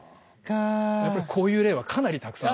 やっぱりこういう例はかなりたくさん。